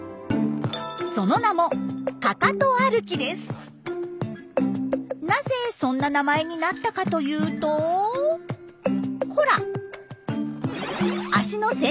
その名もなぜそんな名前になったかというとほら足の先端にご注目。